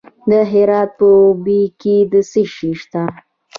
د هرات په اوبې کې څه شی شته؟